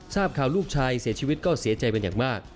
ทราบข่าวลูกชายเสียชีวิตก็เสียใจเป็นอย่างมาก